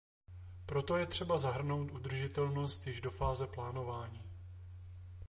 Proto je třeba zahrnout udržitelnost již do fáze plánování.